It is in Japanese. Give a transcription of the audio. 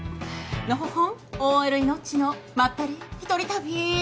のほほんＯＬイノッチのまったり一人旅